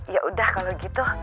yaudah kalau gitu